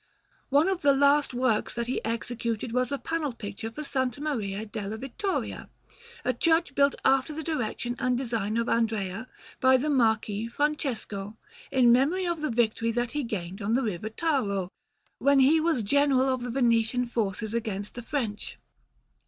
One of the last works that he executed was a panel picture for S. Maria della Vittoria, a church built after the direction and design of Andrea by the Marquis Francesco, in memory of the victory that he gained on the River Taro, when he was General of the Venetian forces against the French.